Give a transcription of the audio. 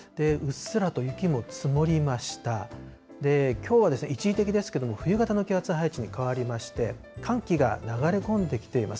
きょうは一時的ですけれども、冬型の気圧配置に変わりまして、寒気が流れ込んできています。